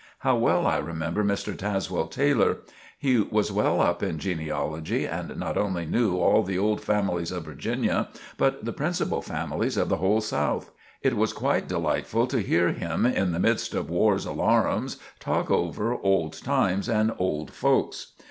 How well I remember Mr. Tazewell Taylor! He was well up in genealogy, and not only knew all of the old families of Virginia, but the principal families of the whole South. It was quite delightful to hear him, "in the midst of war's alarums," talk over "old times" and old folks.